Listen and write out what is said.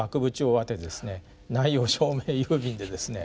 内容証明郵便でですね